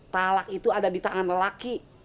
talak itu ada di tangan lelaki